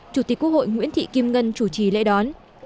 chủ tịch quốc hội nguyễn thị kim ngân chủ trì lễ đón